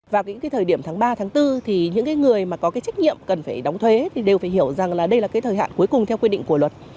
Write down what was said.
vào cái thời điểm tháng ba tháng bốn thì những cái người mà có cái trách nhiệm cần phải đóng thuế thì đều phải hiểu rằng là đây là cái thời hạn cuối cùng theo quy định của luật